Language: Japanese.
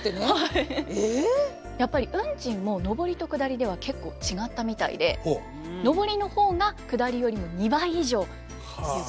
やっぱり運賃も上りと下りでは結構違ったみたいで上りの方が下りよりも２倍以上ということです。